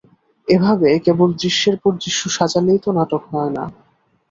এভাবে কেবল দৃশ্যের পর দৃশ্য সাজালেই তো নাটক হয় না।